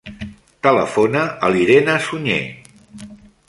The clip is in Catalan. Telefona a l'Irene Suñer.